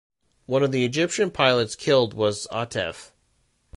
One of the Egyptian pilots killed was Atef.